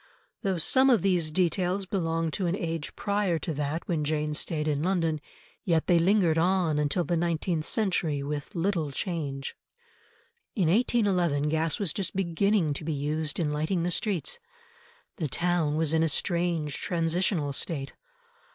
Though some of these details belong to an age prior to that when Jane stayed in London, yet they lingered on until the nineteenth century with little change. [Illustration: CHARING CROSS, 1795] In 1811 gas was just beginning to be used in lighting the streets! The town was in a strange transitional state.